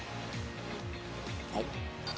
はい。